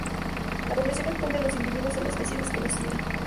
La población actual de los individuos de la especie es desconocida.